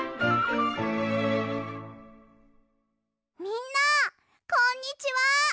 みんなこんにちは！